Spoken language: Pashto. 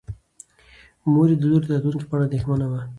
مور یې د لور د راتلونکي په اړه اندېښمنه وه.